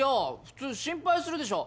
普通心配するでしょ。